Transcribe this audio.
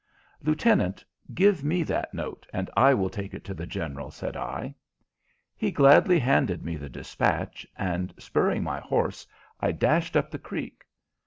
"Lieutenant, give me that note, and I will take it to the General," said I. He gladly handed me the dispatch, and spurring my horse I dashed up the creek.